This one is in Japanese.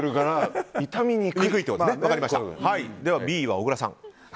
では、Ｂは小倉さん。